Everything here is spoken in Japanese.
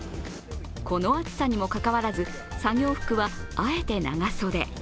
この暑さにもかかわらず、作業服はあえて長袖。